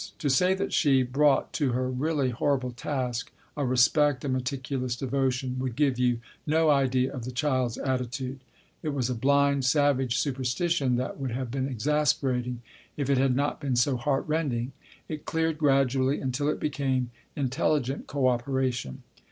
To say that she brought to her really horrible task a respect, a meticulous devotion, would give you no idea of the child's attitude ; it was a blind, savage superstition that would have been exasperating if it had not been so heart rending. It cleared gradually until it became intelligent co operation.